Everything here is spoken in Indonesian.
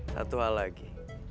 satu hal lagi